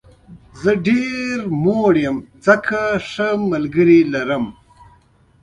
زه ډېر شتمن یم ځکه چې ښه ملګري لرم.